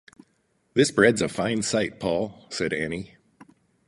“This bread’s a fine sight, Paul,” said Annie.